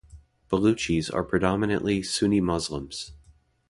Baluchis are predominantly Sunni Muslims.